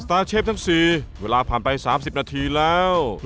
เชฟทั้ง๔เวลาผ่านไป๓๐นาทีแล้ว